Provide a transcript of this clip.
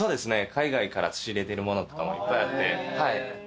海外から仕入れているものとかもいっぱいあって。